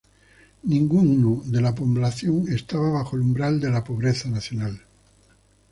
Ningún de la población estaba bajo el umbral de pobreza nacional.